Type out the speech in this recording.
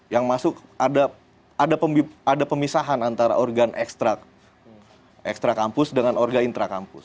yang masuk ada ada pemisahan antara organ ekstra kampus dengan organ intrakampus